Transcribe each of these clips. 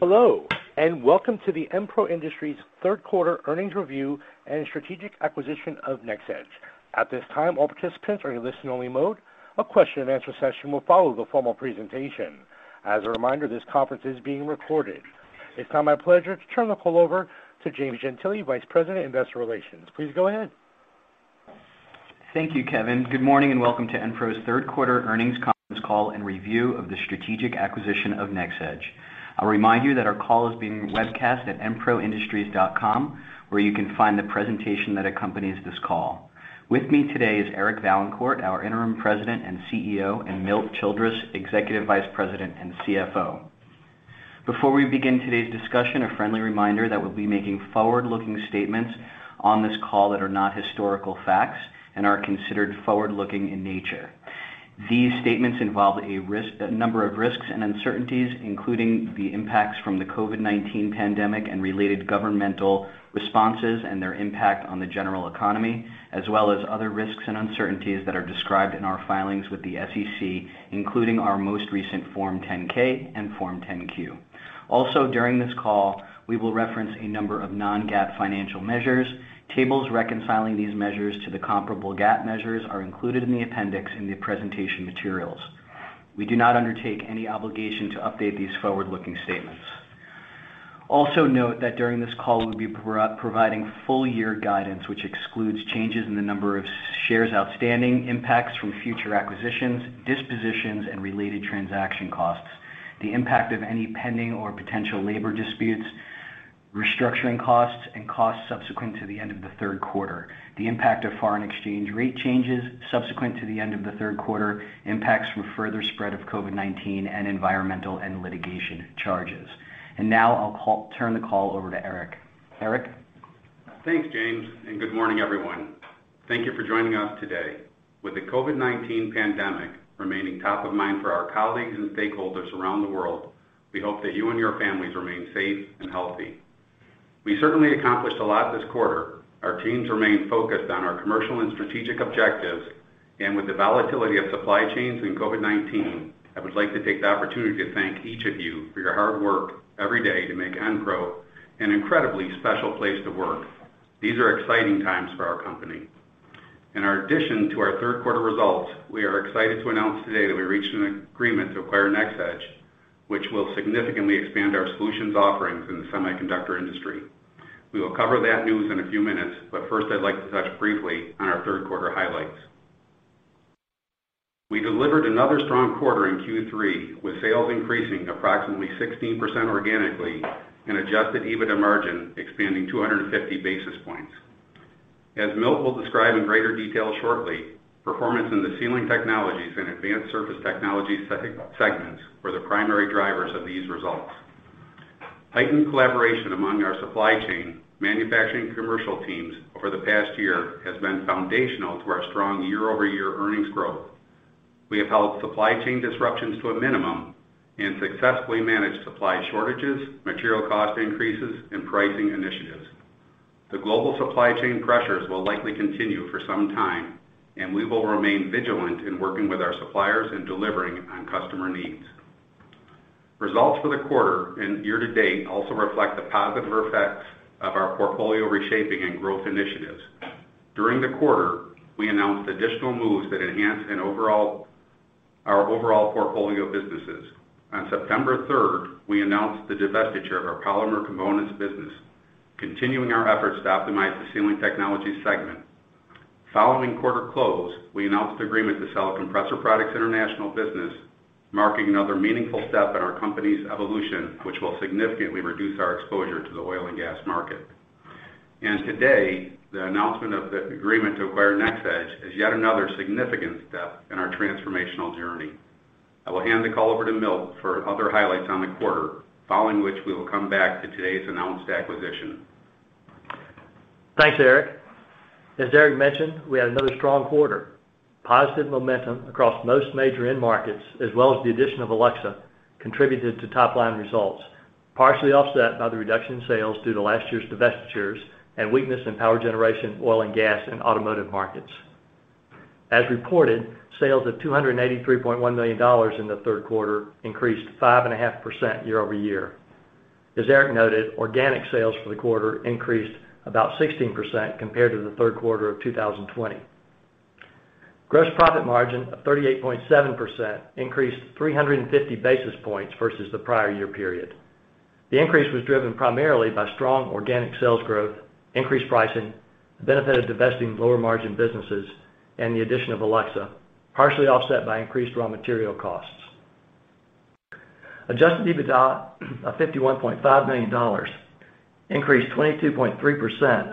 Hello, and welcome to the EnPro Industries Q3 earnings review and strategic acquisition of NxEdge. At this time, all participants are in listen only mode. A question-and-answer session will follow the formal presentation. As a reminder, this conference is being recorded. It's now my pleasure to turn the call over to James Gentile, Vice President, Investor Relations. Please go ahead. Thank you, Kevin. Good morning, and welcome to EnPro's Q3 earnings conference call and review of the strategic acquisition of NxEdge. I'll remind you that our call is being webcast at enproindustries.com, where you can find the presentation that accompanies this call. With me today is Eric Vaillancourt, our Interim President and CEO, and Milt Childress, Executive Vice President and CFO. Before we begin today's discussion, a friendly reminder that we'll be making forward-looking statements on this call that are not historical facts and are considered forward-looking in nature. These statements involve a number of risks and uncertainties, including the impacts from the COVID-19 pandemic and related governmental responses and their impact on the general economy, as well as other risks and uncertainties that are described in our filings with the SEC, including our most recent Form 10-K and Form 10-Q. Also, during this call, we will reference a number of non-GAAP financial measures. Tables reconciling these measures to the comparable GAAP measures are included in the appendix in the presentation materials. We do not undertake any obligation to update these forward-looking statements. Also note that during this call, we'll be providing full year guidance, which excludes changes in the number of shares outstanding, impacts from future acquisitions, dispositions, and related transaction costs, the impact of any pending or potential labor disputes, restructuring costs, and costs subsequent to the end of the Q3, the impact of foreign exchange rate changes subsequent to the end of the Q3, impacts from further spread of COVID-19, and environmental and litigation charges. Now I'll turn the call over to Eric. Eric? Thanks, James, and good morning, everyone. Thank you for joining us today. With the COVID-19 pandemic remaining top of mind for our colleagues and stakeholders around the world, we hope that you and your families remain safe and healthy. We certainly accomplished a lot this quarter. Our teams remain focused on our commercial and strategic objectives. With the volatility of supply chains in COVID-19, I would like to take the opportunity to thank each of you for your hard work every day to make EnPro an incredibly special place to work. These are exciting times for our company. In addition to our Q3 results, we are excited to announce today that we reached an agreement to acquire NxEdge, which will significantly expand our solutions offerings in the semiconductor industry. We will cover that news in a few minutes, but first, I'd like to touch briefly on our Q3 highlights. We delivered another strong quarter in Q3, with sales increasing approximately 16% organically and adjusted EBITDA margin expanding 250 basis points. As Milt will describe in greater detail shortly, performance in the Sealing Technologies and Advanced Surface Technologies segments were the primary drivers of these results. Heightened collaboration among our supply chain, manufacturing commercial teams over the past year has been foundational to our strong year-over-year earnings growth. We have held supply chain disruptions to a minimum and successfully managed supply shortages, material cost increases, and pricing initiatives. The global supply chain pressures will likely continue for some time, and we will remain vigilant in working with our suppliers in delivering on customer needs. Results for the quarter and year to date also reflect the positive effects of our portfolio reshaping and growth initiatives. During the quarter, we announced additional moves that enhanced our overall portfolio businesses. On September 3rd, we announced the divestiture of our Polymer Components business, continuing our efforts to optimize the Sealing Technologies segment. Following quarter close, we announced agreement to sell Compressor Products International business, marking another meaningful step in our company's evolution, which will significantly reduce our exposure to the oil and gas market. Today, the announcement of the agreement to acquire NxEdge is yet another significant step in our transformational journey. I will hand the call over to Milt for other highlights on the quarter, following which we will come back to today's announced acquisition. Thanks, Eric. As Eric mentioned, we had another strong quarter. Positive momentum across most major end markets, as well as the addition of Alluxa, contributed to top line results, partially offset by the reduction in sales due to last year's divestitures and weakness in power generation, oil and gas, and automotive markets. As reported, sales of $283.1 million in the Q3 increased 5.5% year-over-year. As Eric noted, organic sales for the quarter increased about 16% compared to the Q3 of 2020. Gross profit margin of 38.7% increased 350 basis points versus the prior year period. The increase was driven primarily by strong organic sales growth, increased pricing, the benefit of divesting lower margin businesses, and the addition of Alluxa, partially offset by increased raw material costs. Adjusted EBITDA of $51.5 million increased 22.3%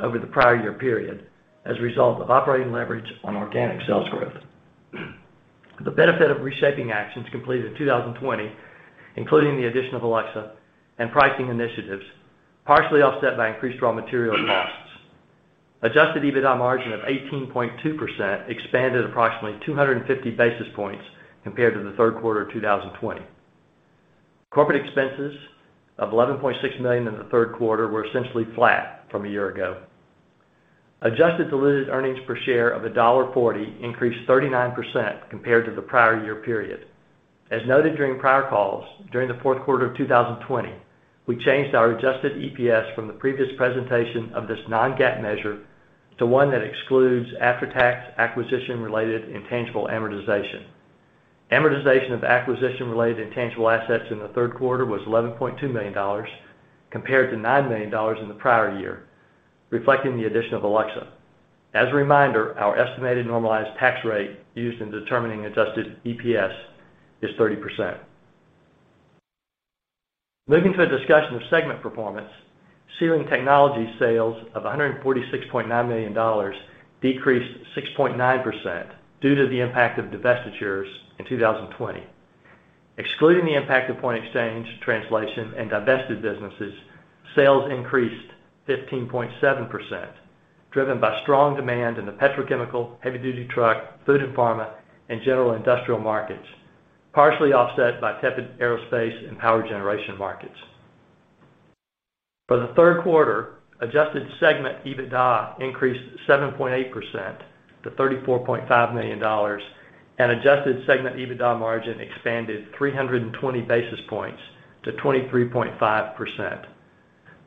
over the prior year period as a result of operating leverage on organic sales growth, the benefit of reshaping actions completed in 2020, including the addition of Alluxa and pricing initiatives, partially offset by increased raw material costs. Adjusted EBITDA margin of 18.2% expanded approximately 250 basis points compared to the Q3 of 2020. Corporate expenses of $11.6 million in the Q3 were essentially flat from a year ago. Adjusted diluted earnings per share of $1.40 increased 39% compared to the prior year period. As noted during prior calls, during the Q4 of 2020, we changed our adjusted EPS from the previous presentation of this non-GAAP measure to one that excludes after-tax acquisition-related intangible amortization. Amortization of acquisition-related intangible assets in the Q3 was $11.2 million compared to $9 million in the prior year, reflecting the addition of Alluxa. As a reminder, our estimated normalized tax rate used in determining adjusted EPS is 30%. Moving to a discussion of segment performance, Sealing Technologies sales of $146.9 million decreased 6.9% due to the impact of divestitures in 2020. Excluding the impact of foreign exchange, translation, and divested businesses, sales increased 15.7%, driven by strong demand in the petrochemical, heavy-duty truck, food and pharma, and general industrial markets, partially offset by tepid aerospace and power generation markets. For the Q3, adjusted segment EBITDA increased 7.8% to $34.5 million, and adjusted segment EBITDA margin expanded 320 basis points to 23.5%.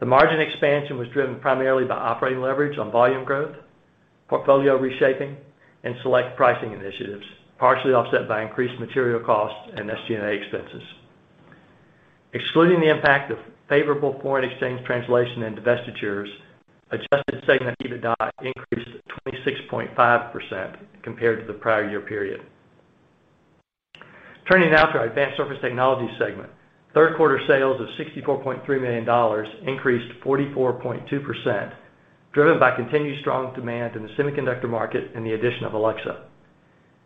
The margin expansion was driven primarily by operating leverage on volume growth, portfolio reshaping, and select pricing initiatives, partially offset by increased material costs and SG&A expenses. Excluding the impact of favorable foreign exchange translation and divestitures, adjusted segment EBITDA increased 26.5% compared to the prior year period. Turning now to our Advanced Surface Technologies segment. Q3 sales of $64.3 million increased 44.2%, driven by continued strong demand in the semiconductor market and the addition of Alluxa.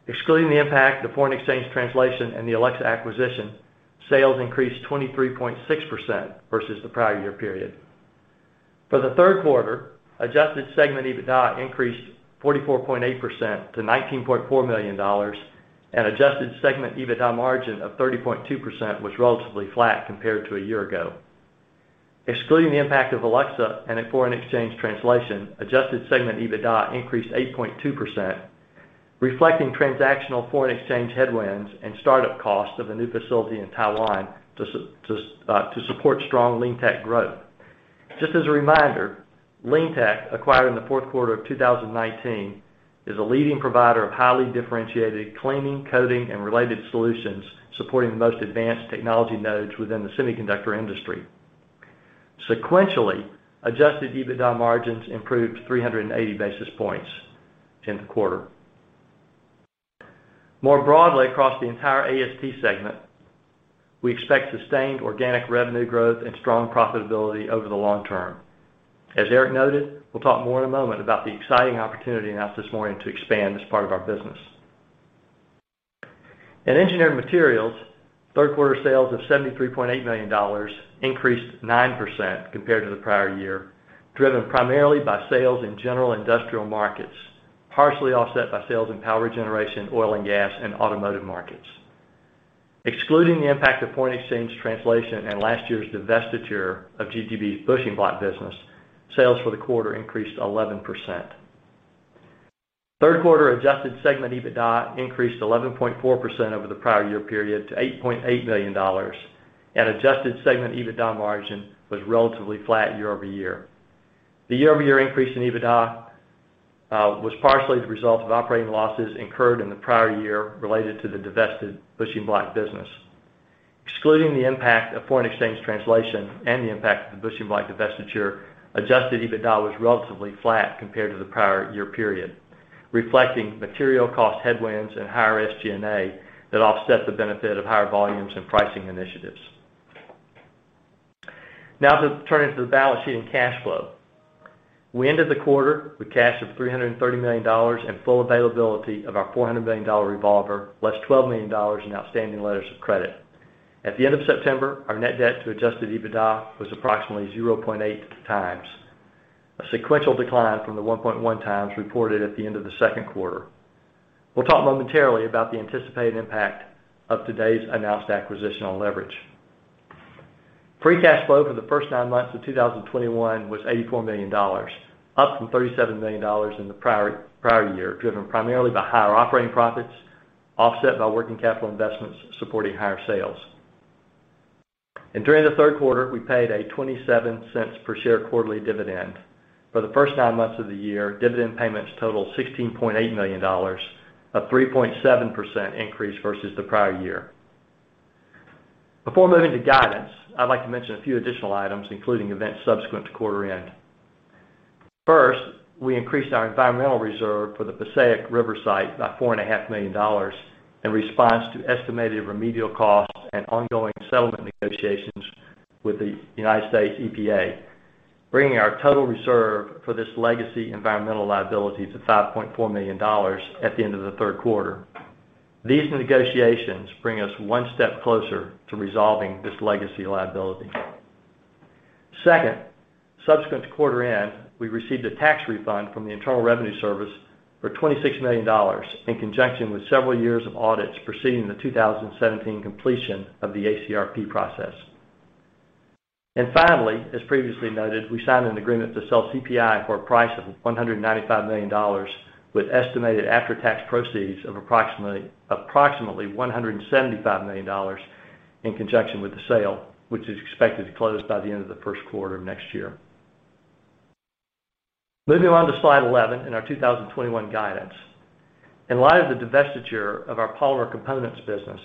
Excluding the impact of foreign exchange translation and the Alluxa acquisition, sales increased 23.6% versus the prior year period. For the Q3, adjusted segment EBITDA increased 44.8% to $19.4 million, and adjusted segment EBITDA margin of 30.2% was relatively flat compared to a year ago. Excluding the impact of Alluxa and foreign exchange translation, adjusted segment EBITDA increased 8.2%, reflecting transactional foreign exchange headwinds and startup costs of a new facility in Taiwan to support strong LeanTeq growth. Just as a reminder, LeanTeq, acquired in the Q4 of 2019, is a leading provider of highly differentiated cleaning, coating, and related solutions supporting the most advanced technology nodes within the semiconductor industry. Sequentially, adjusted EBITDA margins improved 380 basis points in the quarter. More broadly across the entire AST segment, we expect sustained organic revenue growth and strong profitability over the long term. As Eric noted, we'll talk more in a moment about the exciting opportunity announced this morning to expand this part of our business. In Engineered Materials, Q3 sales of $73.8 million increased 9% compared to the prior year, driven primarily by sales in general industrial markets, partially offset by sales in power generation, oil and gas, and automotive markets. Excluding the impact of foreign exchange translation and last year's divestiture of GGB's bushing block business, sales for the quarter increased 11%. Q3 adjusted segment EBITDA increased 11.4% over the prior year period to $8.8 million, and adjusted segment EBITDA margin was relatively flat year-over-year. The year-over-year increase in EBITDA was partially the result of operating losses incurred in the prior year related to the divested bushing block business. Excluding the impact of foreign exchange translation and the impact of the bushing block divestiture, adjusted EBITDA was relatively flat compared to the prior year period, reflecting material cost headwinds and higher SG&A that offset the benefit of higher volumes and pricing initiatives. Now to turn to the balance sheet and cash flow. We ended the quarter with cash of $330 million and full availability of our $400 million revolver, less $12 million in outstanding letters of credit. At the end of September, our net debt to adjusted EBITDA was approximately 0.8x, a sequential decline from the 1.1x reported at the end of the Q2. We'll talk momentarily about the anticipated impact of today's announced acquisition on leverage. Free cash flow for the first nine months of 2021 was $84 million, up from $37 million in the prior year, driven primarily by higher operating profits, offset by working capital investments supporting higher sales. During the Q3, we paid $0.27 per share quarterly dividend. For the first nine months of the year, dividend payments totaled $16.8 million, a 3.7% increase versus the prior year. Before moving to guidance, I'd like to mention a few additional items, including events subsequent to quarter end. First, we increased our environmental reserve for the Passaic River site by $4.5 million in response to estimated remedial costs and ongoing settlement negotiations with the United States EPA, bringing our total reserve for this legacy environmental liability to $5.4 million at the end of the Q3. These negotiations bring us one step closer to resolving this legacy liability. Second, subsequent to quarter end, we received a tax refund from the Internal Revenue Service for $26 million in conjunction with several years of audits preceding the 2017 completion of the ACRP process. Finally, as previously noted, we signed an agreement to sell CPI for a price of $195 million with estimated after-tax proceeds of approximately $175 million in conjunction with the sale, which is expected to close by the end of the Q1 of next year. Moving on to slide 11 in our 2021 guidance. In light of the divestiture of our Polymer Components business,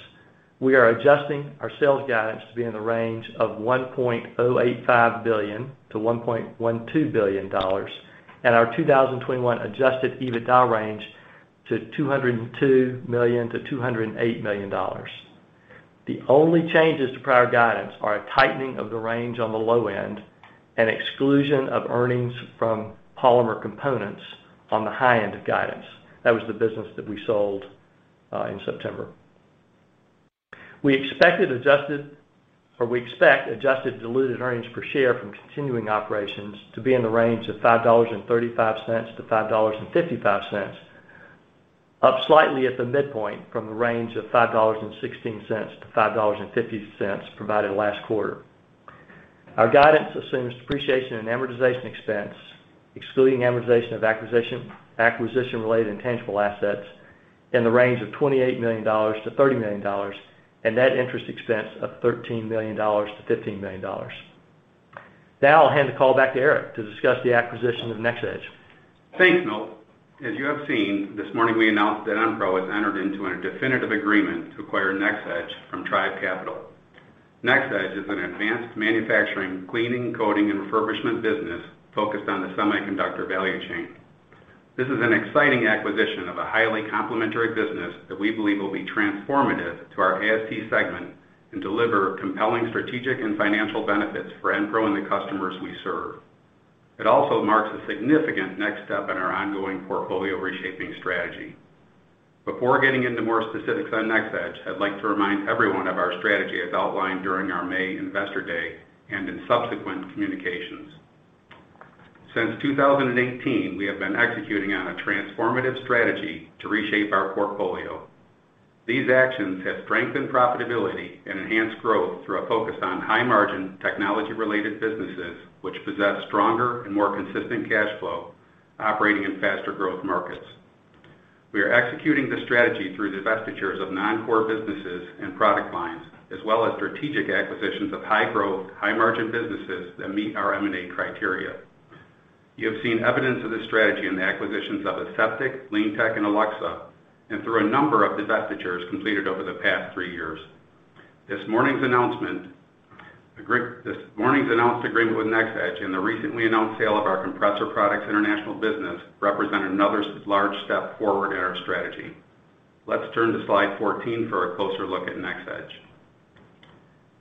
we are adjusting our sales guidance to be in the range of $1.085 billion-$1.12 billion and our 2021 adjusted EBITDA range to $202 million-$208 million. The only changes to prior guidance are a tightening of the range on the low end and exclusion of earnings from Polymer Components on the high end of guidance. That was the business that we sold in September. We expect adjusted diluted earnings per share from continuing operations to be in the range of $5.35-$5.55, up slightly at the midpoint from the range of $5.16-$5.50 provided last quarter. Our guidance assumes depreciation and amortization expense, excluding amortization of acquisition-related intangible assets in the range of $28 million-$30 million, and net interest expense of $13 million-$15 million. Now I'll hand the call back to Eric to discuss the acquisition of NxEdge. Thanks, Milt. As you have seen, this morning we announced that EnPro has entered into a definitive agreement to acquire NxEdge from Trive Capital. NxEdge is an advanced manufacturing, cleaning, coating, and refurbishment business focused on the semiconductor value chain. This is an exciting acquisition of a highly complementary business that we believe will be transformative to our AST segment and deliver compelling strategic and financial benefits for EnPro and the customers we serve. It also marks a significant next step in our ongoing portfolio reshaping strategy. Before getting into more specifics on NxEdge, I'd like to remind everyone of our strategy as outlined during our May Investor Day and in subsequent communications. Since 2018, we have been executing on a transformative strategy to reshape our portfolio. These actions have strengthened profitability and enhanced growth through a focus on high margin technology-related businesses which possess stronger and more consistent cash flow operating in faster growth markets. We are executing this strategy through divestitures of non-core businesses and product lines, as well as strategic acquisitions of high growth, high margin businesses that meet our M&A criteria. You have seen evidence of this strategy in the acquisitions of Aseptic, LeanTeq, and Alluxa, and through a number of divestitures completed over the past three years. This morning's announced agreement with NxEdge and the recently announced sale of our Compressor Products International business represent another large step forward in our strategy. Let's turn to slide 14 for a closer look at NxEdge.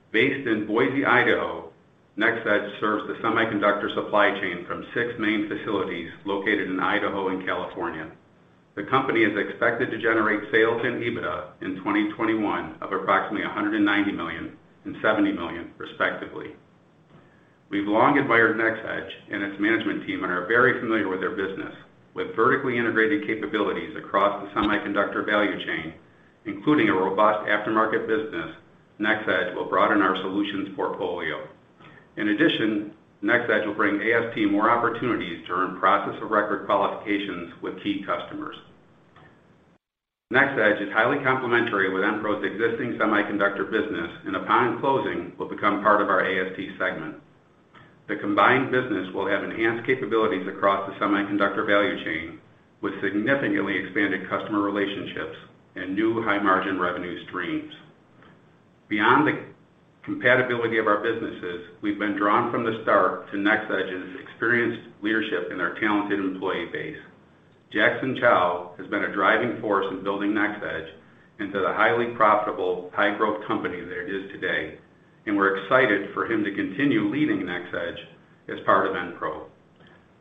Based in Boise, Idaho, NxEdge serves the semiconductor supply chain from six main facilities located in Idaho and California. The company is expected to generate sales and EBITDA in 2021 of approximately $190 million and $70 million, respectively. We've long admired NxEdge and its management team and are very familiar with their business. With vertically integrated capabilities across the semiconductor value chain, including a robust aftermarket business, NxEdge will broaden our solutions portfolio. In addition, NxEdge will bring AST more opportunities to earn process of record qualifications with key customers. NxEdge is highly complementary with EnPro's existing semiconductor business, and upon closing, will become part of our AST segment. The combined business will have enhanced capabilities across the semiconductor value chain with significantly expanded customer relationships and new high margin revenue streams. Beyond the complementarity of our businesses, we've been drawn from the start to NxEdge's experienced leadership and their talented employee base. Jackson Chan has been a driving force in building NxEdge into the highly profitable, high growth company that it is today, and we're excited for him to continue leading NxEdge as part of EnPro.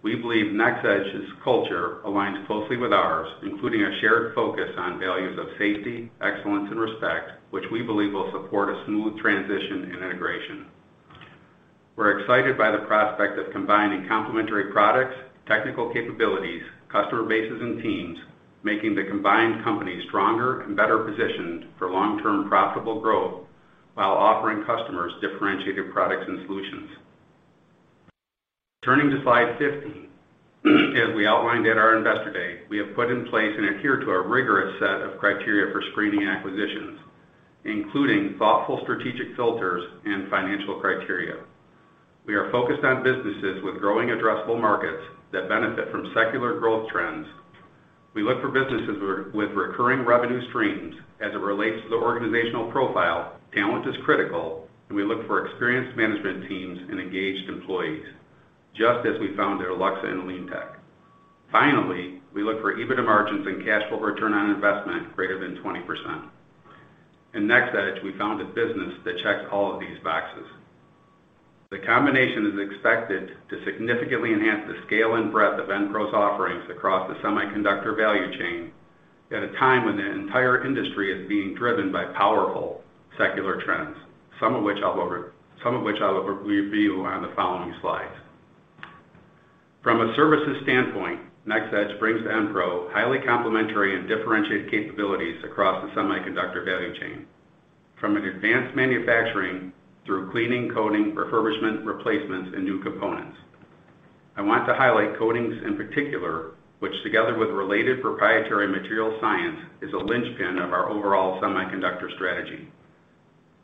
We believe NxEdge's culture aligns closely with ours, including a shared focus on values of safety, excellence and respect, which we believe will support a smooth transition and integration. We're excited by the prospect of combining complementary products, technical capabilities, customer bases and teams, making the combined company stronger and better positioned for long-term profitable growth while offering customers differentiated products and solutions. Turning to slide 15, as we outlined at our Investor Day, we have put in place and adhere to a rigorous set of criteria for screening acquisitions, including thoughtful strategic filters and financial criteria. We are focused on businesses with growing addressable markets that benefit from secular growth trends. We look for businesses with recurring revenue streams. As it relates to the organizational profile, talent is critical, and we look for experienced management teams and engaged employees, just as we found at Alluxa and LeanTeq. Finally, we look for EBITDA margins and cash flow return on investment greater than 20%. In NxEdge, we found a business that checks all of these boxes. The combination is expected to significantly enhance the scale and breadth of EnPro's offerings across the semiconductor value chain at a time when the entire industry is being driven by powerful secular trends, some of which I'll go over, some of which I'll re-review on the following slides. From a services standpoint, NxEdge brings EnPro highly complementary and differentiated capabilities across the semiconductor value chain, from an advanced manufacturing through cleaning, coating, refurbishment, replacements, and new components. I want to highlight coatings in particular, which together with related proprietary material science, is a linchpin of our overall semiconductor strategy.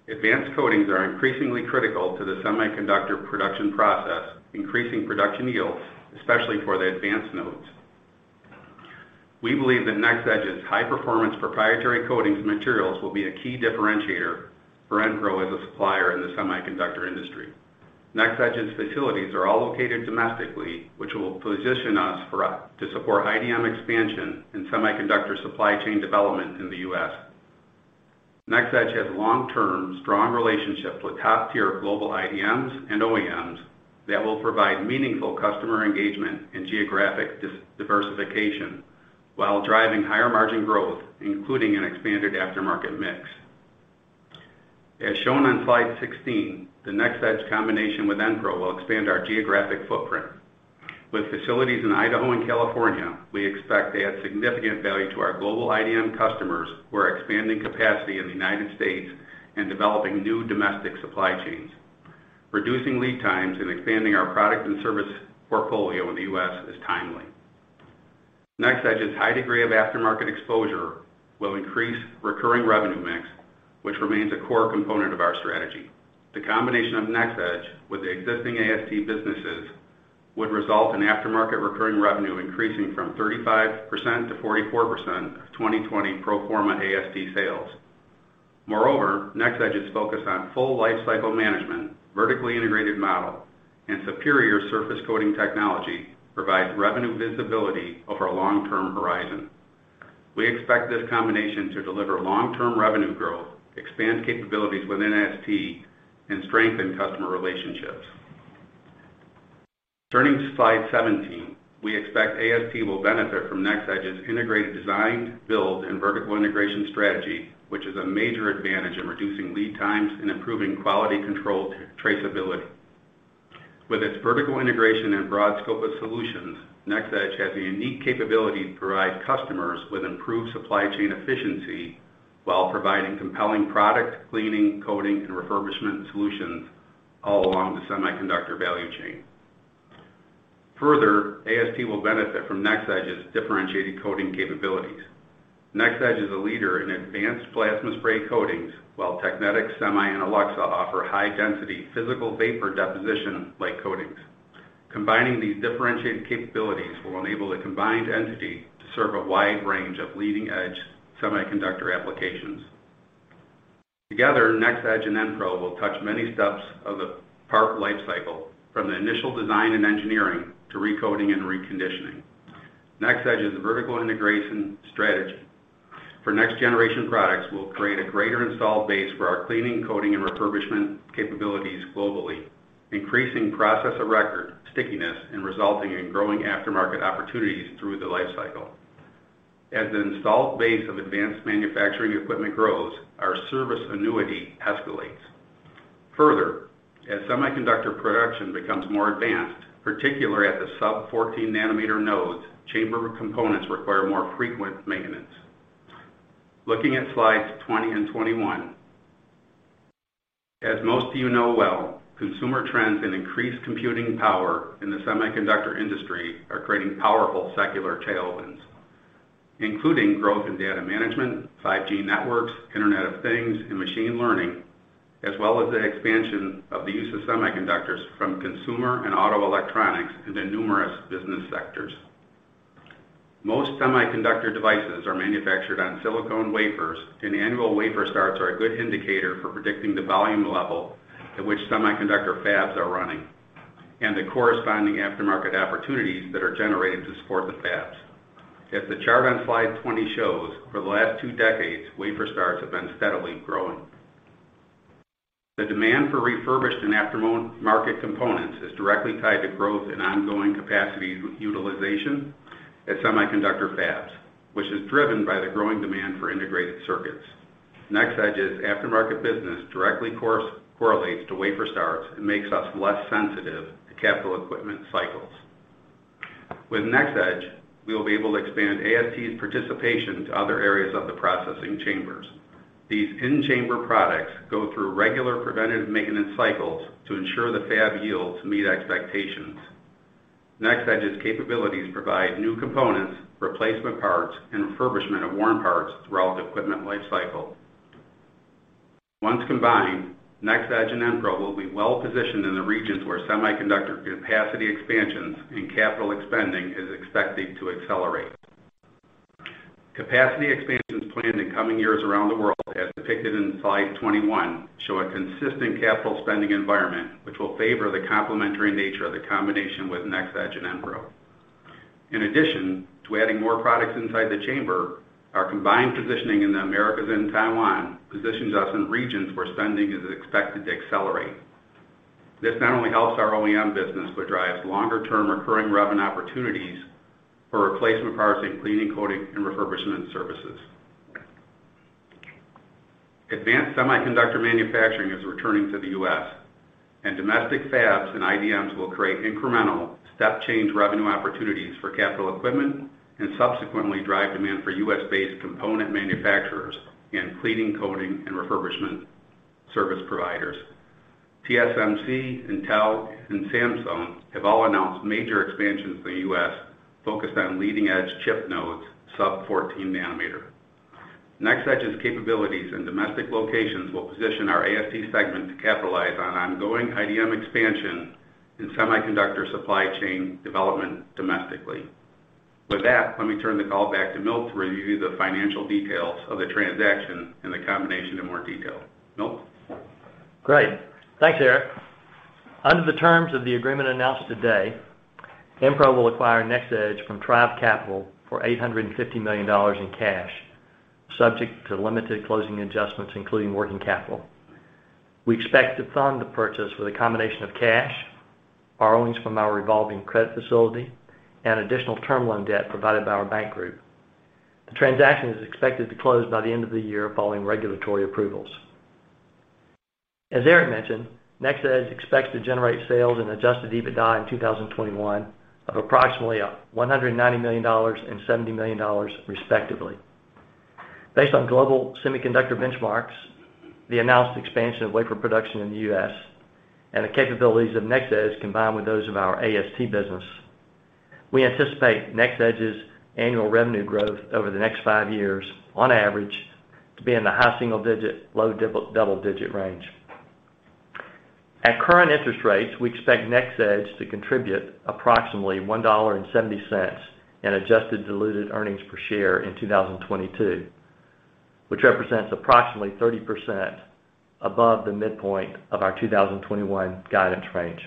Advanced coatings are increasingly critical to the semiconductor production process, increasing production yields, especially for the advanced nodes. We believe that NxEdge's high-performance proprietary coatings materials will be a key differentiator for EnPro as a supplier in the semiconductor industry. NxEdge's facilities are all located domestically, which will position us to support IDM expansion and semiconductor supply chain development in the U.S. NxEdge has long-term strong relationships with top-tier global IDMs and OEMs that will provide meaningful customer engagement and geographic diversification while driving higher margin growth, including an expanded aftermarket mix. As shown on slide 16, the NxEdge combination with EnPro will expand our geographic footprint. With facilities in Idaho and California, we expect to add significant value to our global IDM customers who are expanding capacity in the United States and developing new domestic supply chains. Reducing lead times and expanding our product and service portfolio in the U.S. is timely. NxEdge's high degree of aftermarket exposure will increase recurring revenue mix, which remains a core component of our strategy. The combination of NxEdge with the existing AST businesses would result in aftermarket recurring revenue increasing from 35%-44% of 2020 pro forma AST sales. Moreover, NxEdge's focus on full lifecycle management, vertically integrated model, and superior surface coating technology provide revenue visibility over a long-term horizon. We expect this combination to deliver long-term revenue growth, expand capabilities within AST, and strengthen customer relationships. Turning to slide 17. We expect AST will benefit from NxEdge's integrated design, build, and vertical integration strategy, which is a major advantage in reducing lead times and improving quality control traceability. With its vertical integration and broad scope of solutions, NxEdge has the unique capability to provide customers with improved supply chain efficiency while providing compelling product cleaning, coating, and refurbishment solutions all along the semiconductor value chain. Further, AST will benefit from NxEdge's differentiated coating capabilities. NxEdge is a leader in advanced plasma spray coatings, while Technetics Semi and Alluxa offer high-density physical vapor deposition light coatings. Combining these differentiated capabilities will enable the combined entity to serve a wide range of leading-edge semiconductor applications. Together, NxEdge and EnPro will touch many steps of the part life cycle, from the initial design and engineering to recoating and reconditioning. NxEdge's vertical integration strategy for next-generation products will create a greater installed base for our cleaning, coating, and refurbishment capabilities globally, increasing process of record stickiness and resulting in growing aftermarket opportunities through the life cycle. As the installed base of advanced manufacturing equipment grows, our service annuity escalates. Further, as semiconductor production becomes more advanced, particularly at the sub-14 nanometer nodes, chamber components require more frequent maintenance. Looking at slides 20 and 21. As most of you know well, consumer trends and increased computing power in the semiconductor industry are creating powerful secular tailwinds, including growth in data management, 5G networks, Internet of Things, and machine learning, as well as the expansion of the use of semiconductors from consumer and auto electronics into numerous business sectors. Most semiconductor devices are manufactured on silicon wafers, and annual wafer starts are a good indicator for predicting the volume level at which semiconductor fabs are running and the corresponding aftermarket opportunities that are generated to support the fabs. As the chart on slide 20 shows, for the last two decades, wafer starts have been steadily growing. The demand for refurbished and aftermarket components is directly tied to growth and ongoing capacity utilization at semiconductor fabs, which is driven by the growing demand for integrated circuits. NxEdge's aftermarket business directly correlates to wafer starts and makes us less sensitive to capital equipment cycles. With NxEdge, we will be able to expand AST's participation to other areas of the processing chambers. These in-chamber products go through regular preventative maintenance cycles to ensure the fab yields meet expectations. NxEdge's capabilities provide new components, replacement parts, and refurbishment of worn parts throughout the equipment life cycle. Once combined, NxEdge and EnPro will be well positioned in the regions where semiconductor capacity expansions and capital spending is expected to accelerate. Capacity expansions planned in coming years around the world, as depicted in slide 21, show a consistent capital spending environment, which will favor the complementary nature of the combination with NxEdge and EnPro. In addition to adding more products inside the chamber, our combined positioning in the Americas and Taiwan positions us in regions where spending is expected to accelerate. This not only helps our OEM business, but drives longer-term recurring revenue opportunities for replacement parts and cleaning, coating, and refurbishment services. Advanced semiconductor manufacturing is returning to the U.S., and domestic fabs and IDMs will create incremental step change revenue opportunities for capital equipment and subsequently drive demand for U.S.-based component manufacturers and cleaning, coating, and refurbishment service providers. TSMC, Intel, and Samsung have all announced major expansions in the U.S. focused on leading edge chip nodes sub 14 nanometer. NxEdge's capabilities and domestic locations will position our AST segment to capitalize on ongoing IDM expansion and semiconductor supply chain development domestically. With that, let me turn the call back to Milt to review the financial details of the transaction and the combination in more detail. Milt? Great. Thanks, Eric. Under the terms of the agreement announced today, EnPro will acquire NxEdge from Trive Capital for $850 million in cash, subject to limited closing adjustments, including working capital. We expect to fund the purchase with a combination of cash, borrowings from our revolving credit facility, and additional term loan debt provided by our bank group. The transaction is expected to close by the end of the year following regulatory approvals. As Eric mentioned, NxEdge expects to generate sales and adjusted EBITDA in 2021 of approximately $190 million and $70 million, respectively. Based on global semiconductor benchmarks, the announced expansion of wafer production in the U.S., and the capabilities of NxEdge combined with those of our AST business, we anticipate NxEdge's annual revenue growth over the next five years on average to be in the high single digit, low double digit range. At current interest rates, we expect NxEdge to contribute approximately $1.70 in adjusted diluted earnings per share in 2022, which represents approximately 30% above the midpoint of our 2021 guidance range.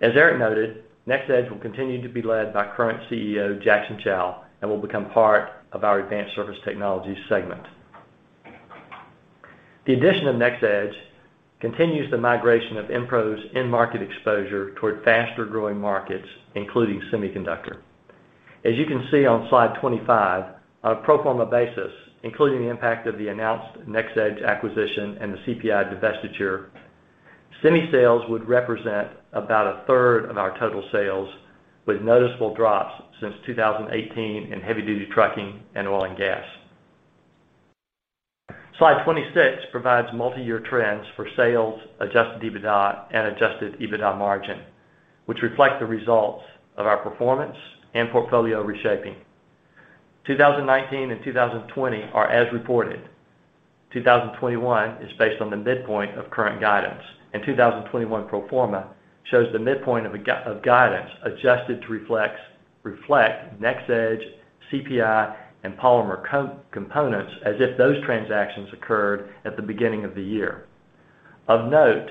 As Eric noted, NxEdge will continue to be led by current CEO Jackson Chan and will become part of our Advanced Surface Technologies segment. The addition of NxEdge continues the migration of EnPro's end market exposure toward faster-growing markets, including semiconductor. As you can see on slide 25, on a pro forma basis, including the impact of the announced NxEdge acquisition and the CPI divestiture, semi sales would represent about a third of our total sales, with noticeable drops since 2018 in heavy duty trucking and oil and gas. Slide 26 provides multiyear trends for sales, adjusted EBITDA, and adjusted EBITDA margin, which reflect the results of our performance and portfolio reshaping. 2019 and 2020 are as reported. 2021 is based on the midpoint of current guidance, and 2021 pro forma shows the midpoint of guidance adjusted to reflect NxEdge, CPI, and polymer components as if those transactions occurred at the beginning of the year. Of note,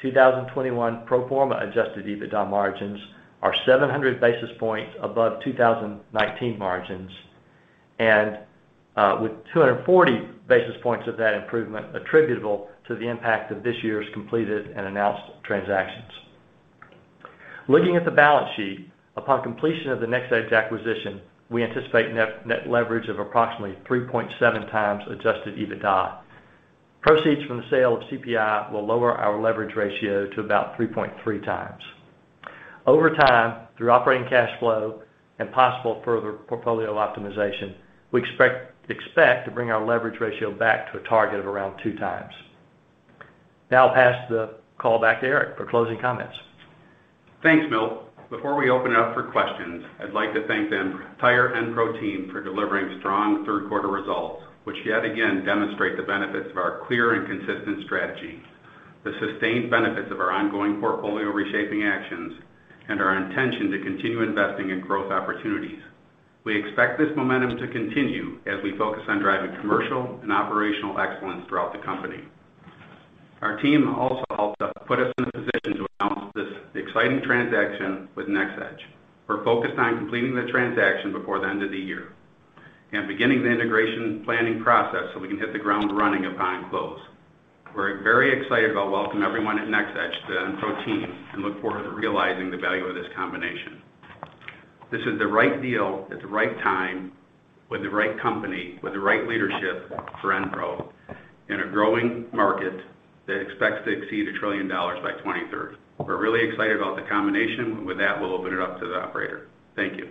2021 pro forma adjusted EBITDA margins are 700 basis points above 2019 margins and with 240 basis points of that improvement attributable to the impact of this year's completed and announced transactions. Looking at the balance sheet, upon completion of the NxEdge acquisition, we anticipate net leverage of approximately 3.7x adjusted EBITDA. Proceeds from the sale of CPI will lower our leverage ratio to about 3.3x. Over time, through operating cash flow and possible further portfolio optimization, we expect to bring our leverage ratio back to a target of around 2x. Now I'll pass the call back to Eric for closing comments. Thanks, Milt. Before we open it up for questions, I'd like to thank the entire EnPro team for delivering strong Q3 results, which yet again demonstrate the benefits of our clear and consistent strategy, the sustained benefits of our ongoing portfolio reshaping actions, and our intention to continue investing in growth opportunities. We expect this momentum to continue as we focus on driving commercial and operational excellence throughout the company. Our team also helped put us in a position to announce this exciting transaction with NxEdge. We're focused on completing the transaction before the end of the year and beginning the integration planning process, so we can hit the ground running upon close. We're very excited to welcome everyone at NxEdge to the EnPro team and look forward to realizing the value of this combination. This is the right deal at the right time with the right company, with the right leadership for EnPro in a growing market that expects to exceed $1 trillion by 2030. We're really excited about the combination. With that, we'll open it up to the operator. Thank you.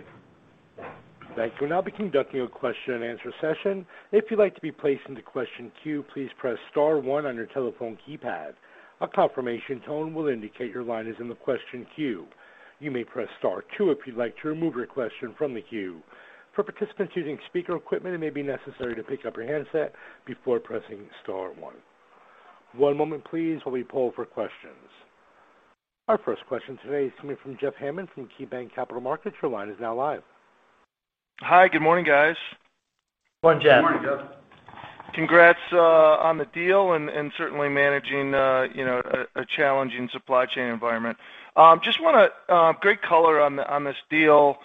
Thank you. We'll now be conducting a question and answer session. If you'd like to be placed into question queue, please press star one on your telephone keypad. A confirmation tone will indicate your line is in the question queue. You may press star two if you'd like to remove your question from the queue. For participants using speaker equipment, it may be necessary to pick up your handset before pressing star one. One moment, please, while we poll for questions. Our first question today is coming from Jeff Hammond from KeyBanc Capital Markets. Your line is now live. Hi. Good morning, guys. Morning, Jeff. Good morning, Jeff. Congrats on the deal and certainly managing you know a challenging supply chain environment. Just wanna great color on this deal.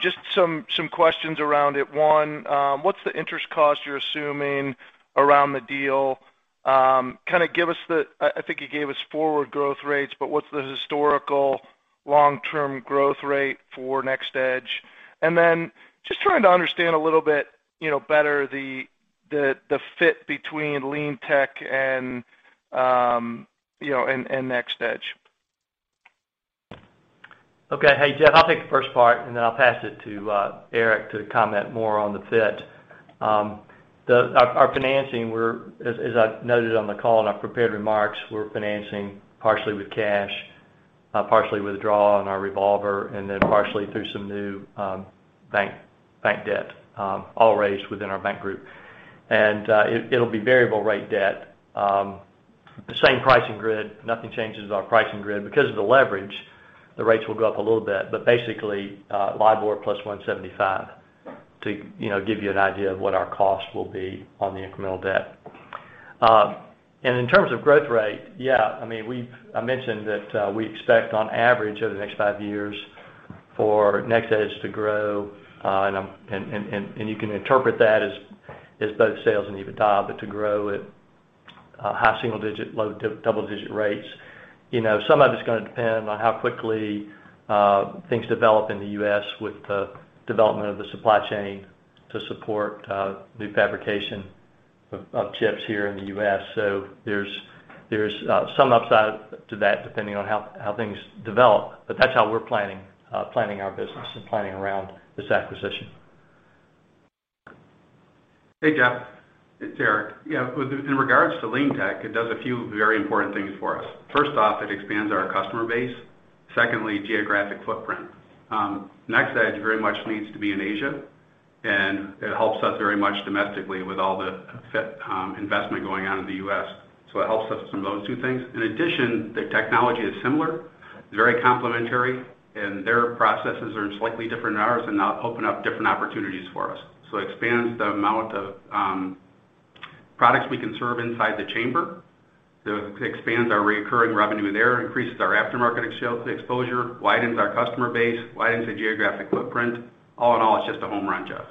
Just some questions around it. One, what's the interest cost you're assuming around the deal? I think you gave us forward growth rates, but what's the historical long-term growth rate for NxEdge? Then just trying to understand a little bit you know better the fit between LeanTeq and you know and NxEdge. Okay. Hey, Jeff, I'll take the first part, and then I'll pass it to Eric to comment more on the fit. Our financing, as I noted on the call in our prepared remarks, we're financing partially with cash, partially with draw on our revolver, and then partially through some new bank debt, all raised within our bank group. It'll be variable rate debt. The same pricing grid. Nothing changes our pricing grid. Because of the leverage, the rates will go up a little bit. Basically, LIBOR plus 175, you know, to give you an idea of what our cost will be on the incremental debt. In terms of growth rate, yeah, I mean, I mentioned that we expect on average over the next five years for NxEdge to grow, and you can interpret that as both sales and EBITDA, but to grow at high single digit, low double digit rates. You know, some of it's gonna depend on how quickly things develop in the U.S. with the development of the supply chain to support new fabrication of chips here in the U.S. So there's some upside to that depending on how things develop, but that's how we're planning our business and planning around this acquisition. Hey, Jeff. It's Eric. Yeah, regarding LeanTeq, it does a few very important things for us. First off, it expands our customer base. Secondly, geographic footprint. NxEdge very much needs to be in Asia, and it helps us very much domestically with all the investment going on in the U.S. It helps us from those two things. In addition, the technology is similar, very complementary, and their processes are slightly different than ours and now open up different opportunities for us. Expands the amount of products we can serve inside the chamber to expand our recurring revenue there, increases our aftermarket sales exposure, widens our customer base, widens the geographic footprint. All in all, it's just a home run, Jeff.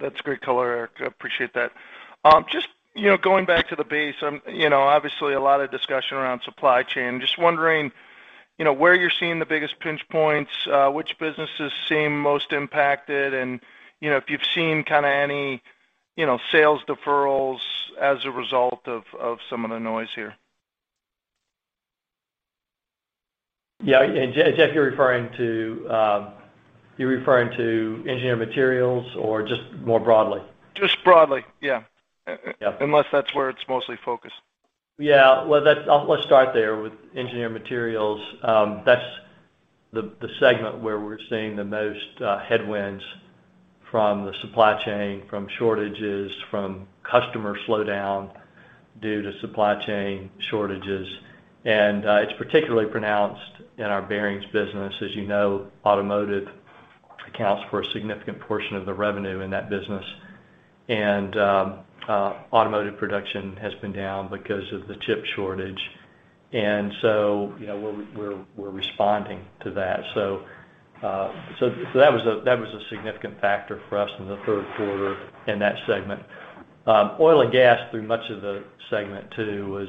That's great color, Eric. I appreciate that. Just, you know, going back to the base, you know, obviously a lot of discussion around supply chain. Just wondering, you know, where you're seeing the biggest pinch points, which businesses seem most impacted, and, you know, if you've seen kind of any, you know, sales deferrals as a result of some of the noise here. Jeff, you're referring to Engineered Materials or just more broadly? Just broadly, yeah. Yeah. Unless that's where it's mostly focused. Yeah. Well, that's let's start there with Engineered Materials. That's the segment where we're seeing the most headwinds from the supply chain, from shortages, from customer slowdown due to supply chain shortages. It's particularly pronounced in our bearings business. As you know, automotive accounts for a significant portion of the revenue in that business. Automotive production has been down because of the chip shortage. You know, we're responding to that. That was a significant factor for us in the Q3 in that segment. Oil and gas through much of the segment too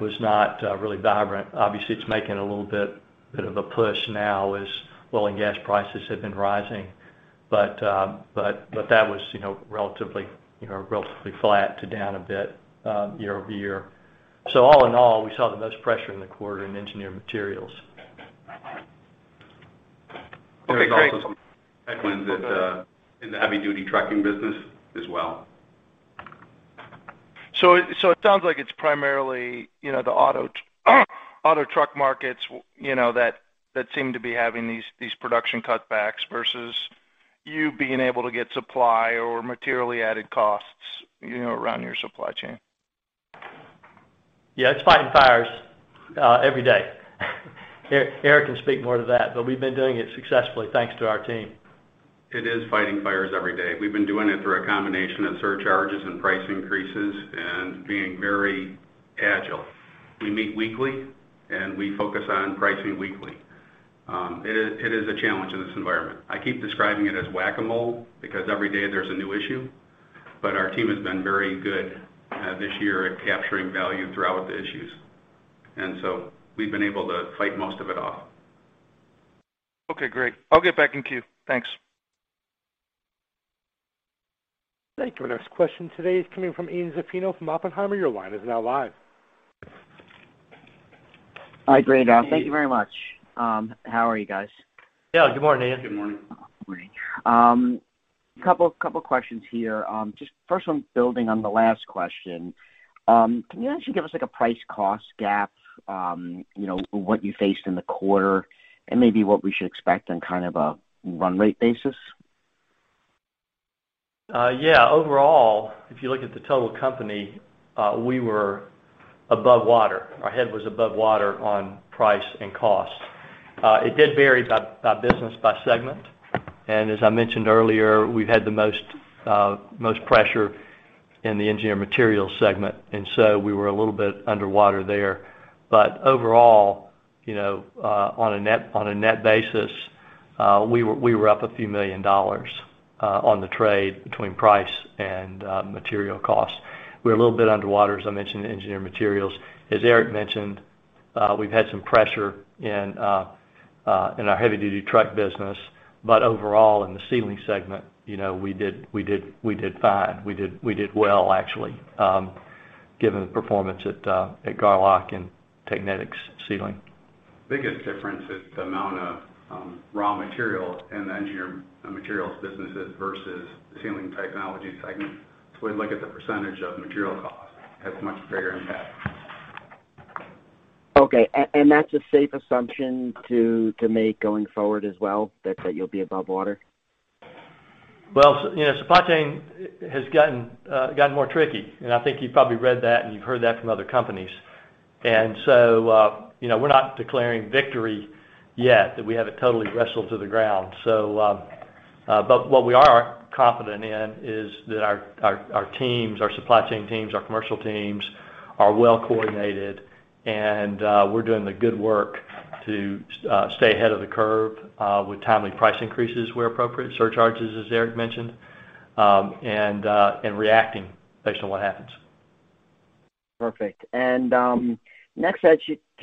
was not really vibrant. Obviously, it's making a little bit of a push now as oil and gas prices have been rising. That was, you know, relatively, you know, relatively flat to down a bit, year-over-year. All in all, we saw the most pressure in the quarter in Engineered Materials. Okay, great. There was also some headwinds that, in the heavy duty trucking business as well. It sounds like it's primarily, you know, the auto truck markets, you know, that seem to be having these production cutbacks versus you being able to get supply or materially added costs, you know, around your supply chain. Yeah, it's fighting fires every day. Eric can speak more to that, but we've been doing it successfully, thanks to our team. It is fighting fires every day. We've been doing it through a combination of surcharges and price increases and being very agile. We meet weekly, and we focus on pricing weekly. It is a challenge in this environment. I keep describing it as Whac-A-Mole because every day there's a new issue, but our team has been very good this year at capturing value throughout the issues. We've been able to fight most of it off. Okay, great. I'll get back in queue. Thanks. Thank you. Our next question today is coming from Ian Zaffino from Oppenheimer. Your line is now live. Hi, great. Hey, Ian. Thank you very much. How are you guys? Yeah, good morning, Ian. Good morning. Morning. A couple questions here. Just first one building on the last question. Can you actually give us like a price cost gap, you know, what you faced in the quarter and maybe what we should expect on kind of a run rate basis? Yeah. Overall, if you look at the total company, we were above water. Our head was above water on price and cost. It did vary by business, by segment, and as I mentioned earlier, we've had the most pressure in the Engineered Materials segment, and so we were a little bit underwater there. But overall, you know, on a net basis, we were up $ a few million on the trade between price and material costs. We're a little bit underwater, as I mentioned, in Engineered Materials. As Eric mentioned, we've had some pressure in our heavy-duty truck business. But overall, in the Sealing segment, you know, we did fine. We did well, actually, given the performance at Garlock and Technetics Sealing. Biggest difference is the amount of raw material in the Engineered Materials businesses versus Sealing Technologies segment. When you look at the percentage of material costs, it has much greater impact. Okay. That's a safe assumption to make going forward as well, that you'll be above water? You know, supply chain has gotten more tricky, and I think you've probably read that and you've heard that from other companies. You know, we're not declaring victory yet that we have it totally wrestled to the ground. What we are confident in is that our teams, our supply chain teams, our commercial teams are well coordinated, and we're doing the good work to stay ahead of the curve with timely price increases where appropriate, surcharges, as Eric mentioned, and reacting based on what happens. Perfect. Next,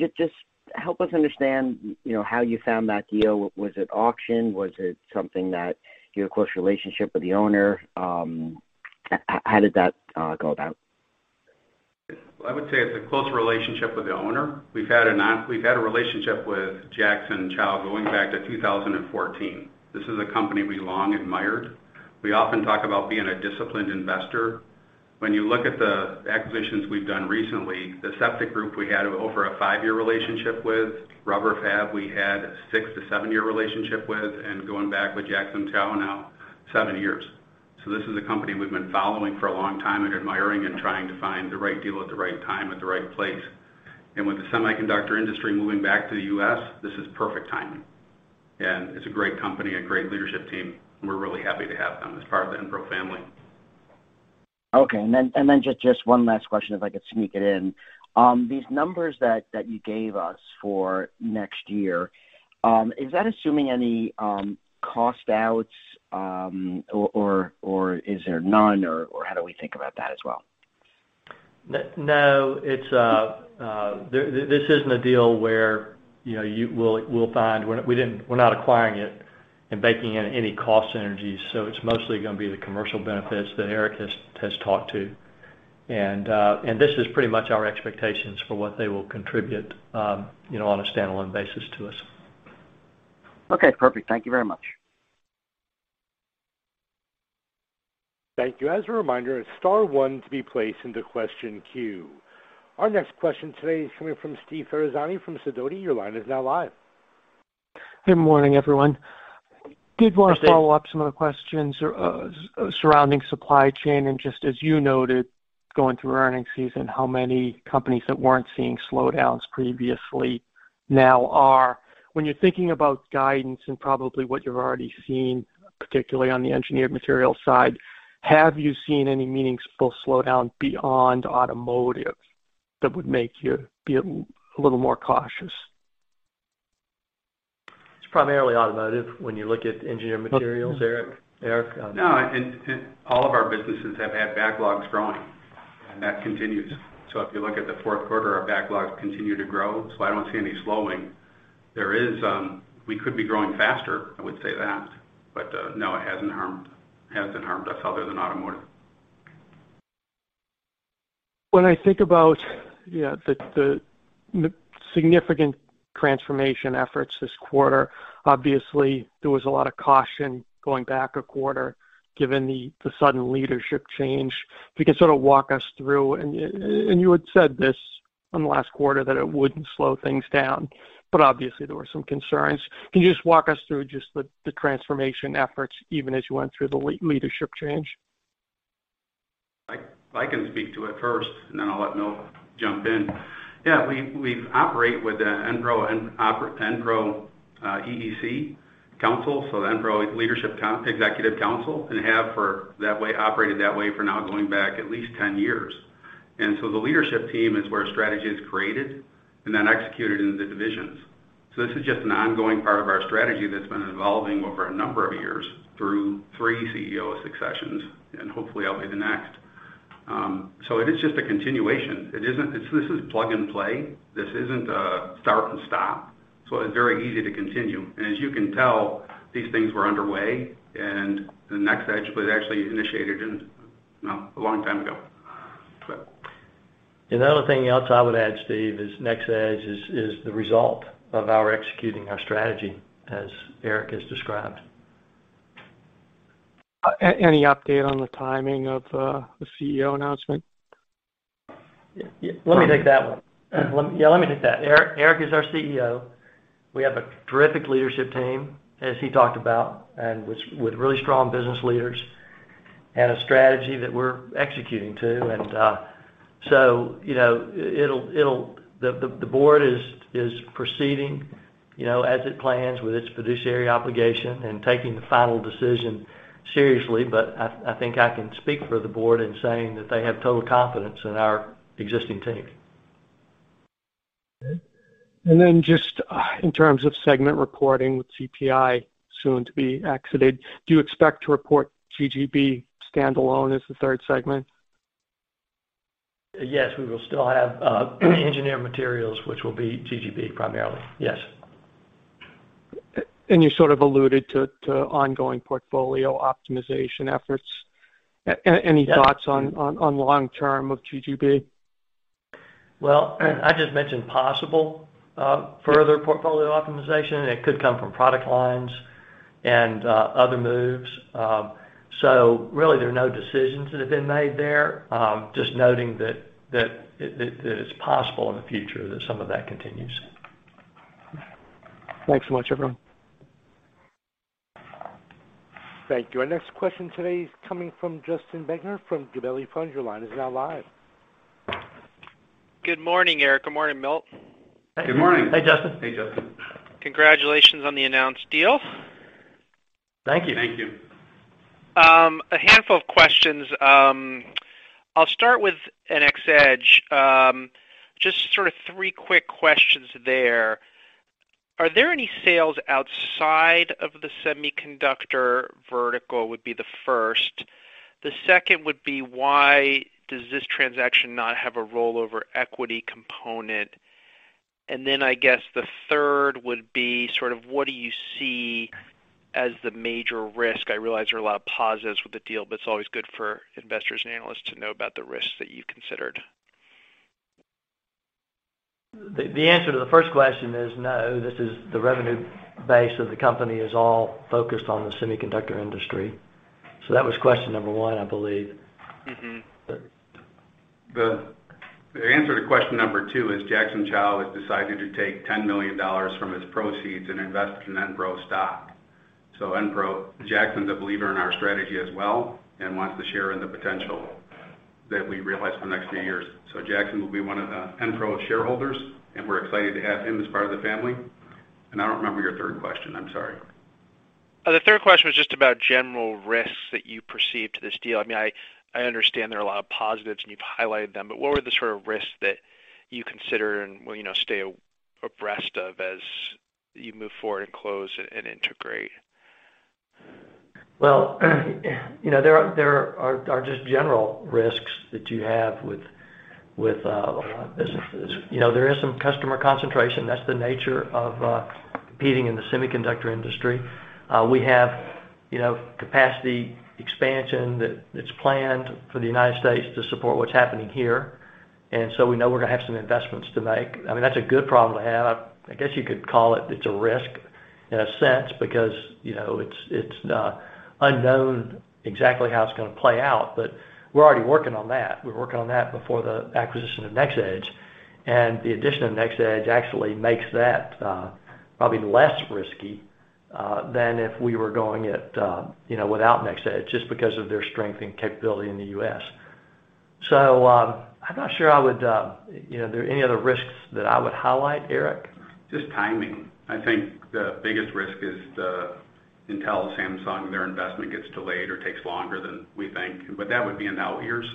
just help us understand, you know, how you found that deal. Was it auction? Was it something that, you know, a close relationship with the owner? How did that go down? I would say it's a close relationship with the owner. We've had a relationship with Jackson Chao going back to 2014. This is a company we long admired. We often talk about being a disciplined investor. When you look at the acquisitions we've done recently, the Aseptic Group, we had over a five-year relationship with. Rubber Fab, we had six- to seven-year relationship with, and going back with Jackson Chao, now seven years. This is a company we've been following for a long time and admiring and trying to find the right deal at the right time at the right place. With the semiconductor industry moving back to the U.S., this is perfect timing. It's a great company, a great leadership team, and we're really happy to have them as part of the Enpro family. Okay. Just one last question, if I could sneak it in. These numbers that you gave us for next year, is that assuming any cost outs, or is there none, or how do we think about that as well? No, this isn't a deal where, you know, we're not acquiring it and baking in any cost synergies, so it's mostly gonna be the commercial benefits that Eric has talked to. This is pretty much our expectations for what they will contribute, you know, on a standalone basis to us. Okay, perfect. Thank you very much. Thank you. As a reminder, star one to be placed into question queue. Our next question today is coming from Steve Ferazani from Sidoti. Your line is now live. Good morning, everyone. I did want to follow up on some of the questions surrounding supply chain, and just as you noted, going through earnings season, how many companies that weren't seeing slowdowns previously now are. When you're thinking about guidance and probably what you've already seen, particularly on the Engineered Materials side, have you seen any meaningful slowdown beyond automotive that would make you be a little more cautious? It's primarily automotive when you look at Engineered Materials, Eric. Eric? No. In all of our businesses have had backlogs growing, and that continues. If you look at the Q4, our backlogs continue to grow, so I don't see any slowing. There is. We could be growing faster, I would say that. No, it hasn't harmed us other than automotive. When I think about, yeah, the significant transformation efforts this quarter, obviously, there was a lot of caution going back a quarter given the sudden leadership change. If you can sort of walk us through, and you had said this on the last quarter that it wouldn't slow things down, but obviously, there were some concerns. Can you just walk us through just the transformation efforts, even as you went through the leadership change? I can speak to it first, and then I'll let Noah jump in. Yeah, we operate with the EnPro Leadership Executive Council, and have operated that way for now going back at least 10 years. The leadership team is where strategy is created and then executed into the divisions. This is just an ongoing part of our strategy that's been evolving over a number of years through three CEO successions, and hopefully I'll be the next. It is just a continuation. It isn't. This is plug and play. This isn't a start and stop. It's very easy to continue. As you can tell, these things were underway and the next stage was actually initiated in, well, a long time ago. Another thing else I would add, Steve, is next stage is the result of our executing our strategy, as Eric has described. Any update on the timing of the CEO announcement? Yeah. Let me take that one. Let me take that. Eric is our CEO. We have a terrific leadership team, as he talked about, with really strong business leaders and a strategy that we're executing to. You know, it'll. The board is proceeding, you know, as it plans with its fiduciary obligation and taking the final decision seriously. I think I can speak for the board in saying that they have total confidence in our existing team. Okay. Just in terms of segment reporting with CPI soon to be exited, do you expect to report GGB standalone as the third segment? Yes, we will still have Engineered Materials, which will be GGB primarily. Yes. You sort of alluded to ongoing portfolio optimization efforts. Any thoughts? Yeah. on long-term of GGB? Well, I just mentioned possible further portfolio optimization, and it could come from product lines and other moves. Really, there are no decisions that have been made there. Just noting that it's possible in the future that some of that continues. Thanks so much, everyone. Thank you. Our next question today is coming from Justin Bergner from Gabelli Funds. Your line is now live. Good morning, Eric. Good morning, Milt. Good morning. Hey, Justin. Hey, Justin. Congratulations on the announced deal. Thank you. Thank you. A handful of questions. I'll start with NxEdge. Just sort of three quick questions there. Are there any sales outside of the semiconductor vertical? Would be the first. The second would be, why does this transaction not have a rollover equity component? And then I guess the third would be sort of what do you see as the major risk? I realize there are a lot of positives with the deal, but it's always good for investors and analysts to know about the risks that you've considered. The answer to the first question is no. This is the revenue base of the company is all focused on the semiconductor industry. That was question number one, I believe. Mm-hmm. The- The answer to question number two is Jackson Chao has decided to take $10 million from his proceeds and invest in EnPro stock. EnPro, Jackson's a believer in our strategy as well and wants to share in the potential that we realize for the next few years. Jackson will be one of the EnPro shareholders, and we're excited to have him as part of the family. I don't remember your third question. I'm sorry. The third question was just about general risks that you perceive to this deal. I mean, I understand there are a lot of positives, and you've highlighted them, but what were the sort of risks that you consider and, well, you know, stay abreast of as you move forward and close and integrate? Well, you know, there are just general risks that you have with a lot of businesses. You know, there is some customer concentration. That's the nature of competing in the semiconductor industry. We have, you know, capacity expansion that's planned for the United States to support what's happening here. We know we're gonna have some investments to make. I mean, that's a good problem to have. I guess you could call it a risk in a sense because, you know, it's unknown exactly how it's gonna play out, but we're already working on that. We're working on that before the acquisition of NxEdge. The addition of NxEdge actually makes that probably less risky than if we were going it, you know, without NxEdge just because of their strength and capability in the U.S. Are there any other risks that I would highlight, Eric? Just timing. I think the biggest risk is the Intel, Samsung, their investment gets delayed or takes longer than we think. That would be in out years.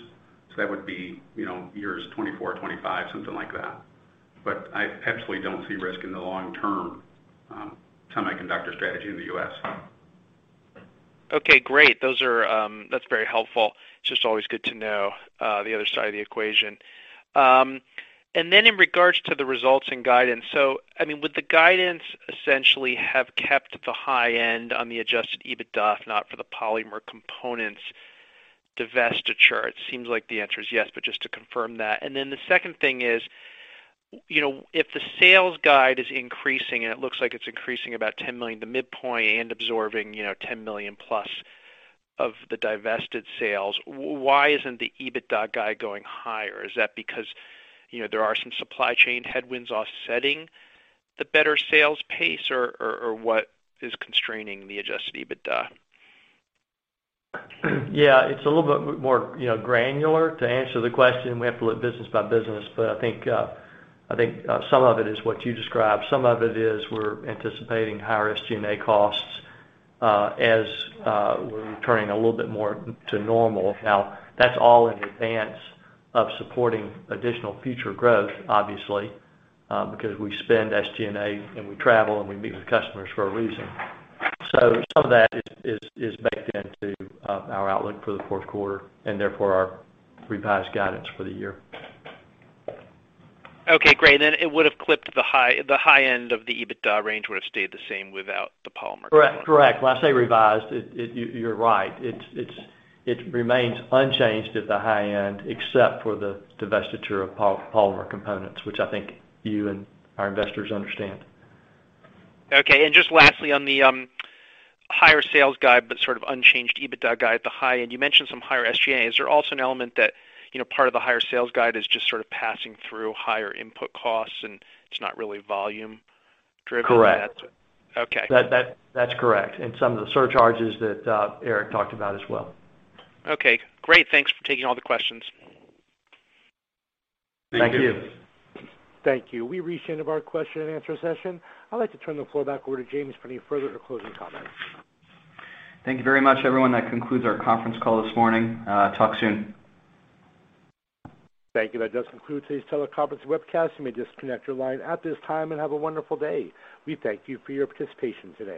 That would be, you know, years 2024, 2025, something like that. I absolutely don't see risk in the long term, semiconductor strategy in the U.S. Okay, great. Those are. That's very helpful. It's just always good to know the other side of the equation. In regard to the results and guidance. I mean, would the guidance essentially have kept the high end on the adjusted EBITDA, if not for the Polymer Components divestiture? It seems like the answer is yes, but just to confirm that. The second thing is, you know, if the sales guide is increasing, and it looks like it's increasing about $10 million, the midpoint and absorbing, you know, $10 million plus of the divested sales, why isn't the EBITDA guide going higher? Is that because, you know, there are some supply chain headwinds offsetting the better sales pace or what is constraining the adjusted EBITDA? Yeah, it's a little bit more, you know, granular. To answer the question, we have to look business by business. I think some of it is what you described. Some of it is we're anticipating higher SG&A costs as we're returning a little bit more back to normal. Now, that's all in advance of supporting additional future growth, obviously, because we spend SG&A and we travel and we meet with customers for a reason. Some of that is baked into our outlook for the Q4 and therefore our revised guidance for the year. Okay, great. It would have clipped the high end of the EBITDA range. It would have stayed the same without the Polymer Components. Correct. When I say revised it, you're right. It remains unchanged at the high end, except for the divestiture of Polymer Components, which I think you and our investors understand. Okay. Just lastly on the higher sales guide, but sort of unchanged EBITDA guide at the high end. You mentioned some higher SG&A. Is there also an element that, you know, part of the higher sales guide is just sort of passing through higher input costs and it's not really volume driven? Correct. Okay. That's correct. Some of the surcharges that Eric talked about as well. Okay, great. Thanks for taking all the questions. Thank you. Thank you. Thank you. We've reached the end of our question and answer session. I'd like to turn the floor back over to James for any further or closing comments. Thank you very much, everyone. That concludes our conference call this morning. Talk soon. Thank you. That does conclude today's teleconference webcast. You may disconnect your line at this time, and have a wonderful day. We thank you for your participation today.